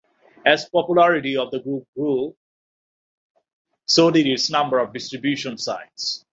As popularity of the group grew, so did its number of distribution sites.